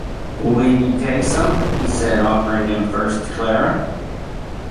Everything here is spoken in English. “Will you take some?” he said, offering them first to Clara.